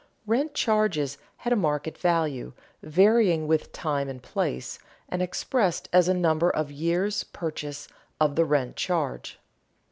_Rent charges had a market value, varying with time and place, and expressed as a number of years' purchase of the rent charge.